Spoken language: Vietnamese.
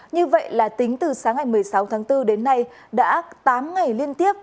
như vậy là tính từ sáng ngày một mươi sáu tháng bốn đến nay đã tám ngày liên tiếp